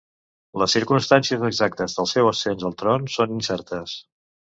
Les circumstàncies exactes del seu ascens al tron són incertes.